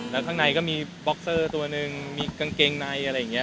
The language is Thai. แล้วข้างในก็มีบ็อกเซอร์ตัวหนึ่งมีกางเกงในอะไรอย่างนี้